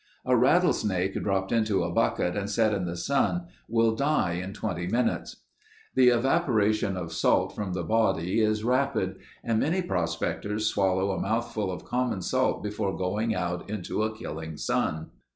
A rattlesnake dropped into a bucket and set in the sun will die in 20 minutes. The evaporation of salt from the body is rapid and many prospectors swallow a mouthful of common salt before going out into a killing sun.